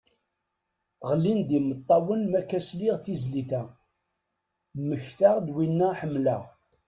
Ɣlin-d imettawen makka sliɣ tizlit a, mmektaɣ-d winna ḥemmleɣ.